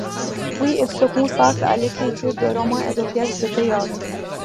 Puis, il se consacre à l'écriture de romans et de pièces de théâtre.